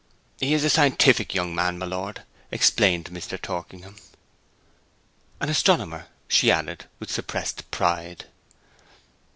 'He is a scientific young man, my lord,' explained Mr. Torkingham. 'An astronomer,' she added, with suppressed pride.